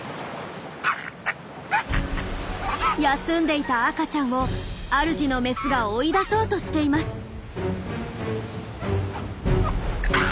休んでいた赤ちゃんを主のメスが追い出そうとしています。